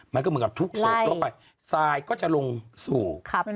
มันก็เหมือนกับทุกประเศษลงไปก็จะลงสู่ครับ